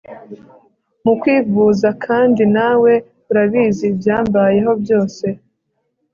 mukwivuza kandi nawe urabizi ibyambayeho byose